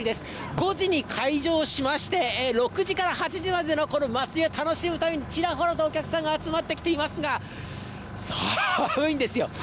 ５時に開場しまして、６時から８時までこのまつりを楽しむためにちらほらとお客さんが集まってきていますが、寒いんですよ。